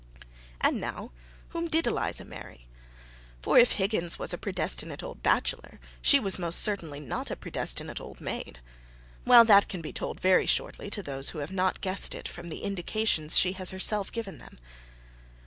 And now, whom did Eliza marry? For if Higgins was a predestinate old bachelor, she was most certainly not a predestinate old maid. Well, that can be told very shortly to those who have not guessed it from the indications she has herself given them.